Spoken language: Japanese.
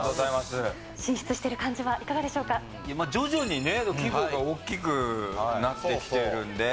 進出している感じはいかがで徐々にね、規模が大きくなってきてるんで。